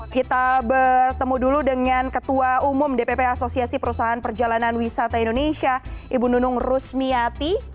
kita bertemu dulu dengan ketua umum dpp asosiasi perusahaan perjalanan wisata indonesia ibu nunung rusmiati